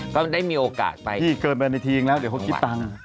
ก็ได้มีโอกาสไปพี่เกินไปในทีมแล้วเดี๋ยวเขาคิดตังค์